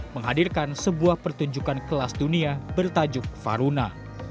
menghadirkan sebuah pertunjukan kelas dunia bertajuk faruna